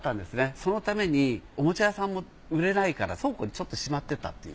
そのためにおもちゃ屋さんも売れないから倉庫にちょっとしまってたっていう。